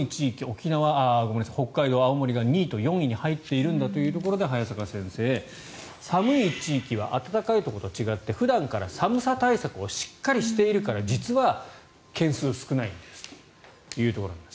なんで北海道、青森が２位と４位に入っているんだというところで早坂先生、寒い地域は暖かいところと違って普段から寒さ対策をしっかりしているから実は件数が少ないんですというところです。